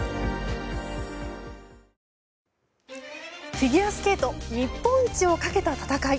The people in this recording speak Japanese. フィギュアスケート日本一をかけた戦い。